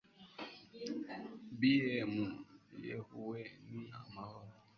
bm yehu we ni amahoro